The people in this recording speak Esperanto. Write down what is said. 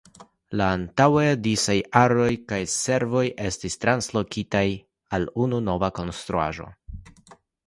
La antaŭe disaj aroj kaj servoj estis translokitaj al unu nova konstruaĵo.